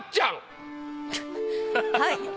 はい。